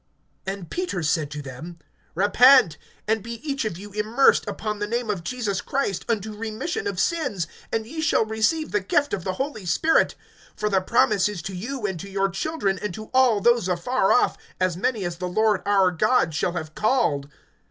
(38)And Peter said to them: Repent, and be each of you immersed, upon the name of Jesus Christ, unto remission of sins, and ye shall receive the gift of the Holy Spirit. (39)For the promise is to you, and to your children, and to all those afar off, as many as the Lord our God shall have called.